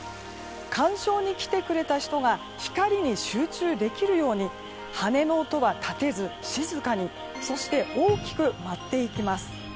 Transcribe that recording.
鑑賞に来てくれた人が光に集中できるように羽の音は立てず、静かにそして大きく舞っていきます。